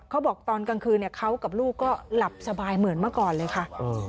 เขาบอกตอนกลางคืนเขากับลูกก็หลับสบายเหมือนเมื่อก่อนเลยค่ะ